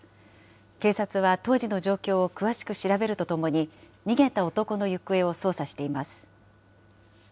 警察は当時の状況を詳しく調べるとともに、逃げた男の行方を捜査しています。